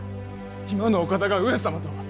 今のお方が上様とは！